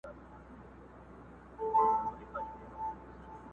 اوس د مطرب ستوني کي نسته پرونۍ سندري؛